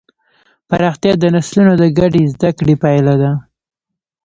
پراختیا د نسلونو د ګډې زدهکړې پایله ده.